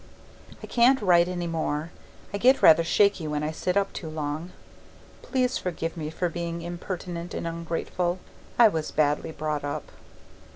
I can't write any more; I get rather shaky when I sit up too long. Please forgive me for being impertinent and ungrateful. I was badly brought up.